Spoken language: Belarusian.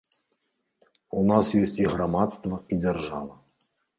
У нас ёсць і грамадства, і дзяржава.